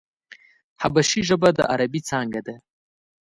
حبشي ژبه د عربي څانگه ده.